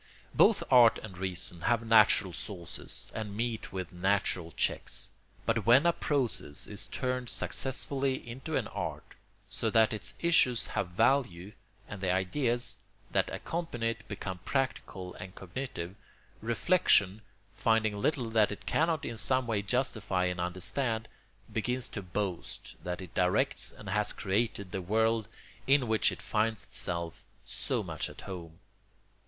Both art and reason have natural sources and meet with natural checks; but when a process is turned successfully into an art, so that its issues have value and the ideas that accompany it become practical and cognitive, reflection, finding little that it cannot in some way justify and understand, begins to boast that it directs and has created the world in which it finds itself so much at home.